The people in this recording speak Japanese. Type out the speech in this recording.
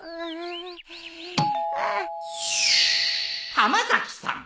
浜崎さん。